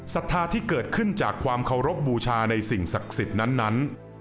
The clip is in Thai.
ศรัทธาที่เกิดขึ้นจากความเคารพบูชาในสิ่งศักดิ์สิทธิ์นั้น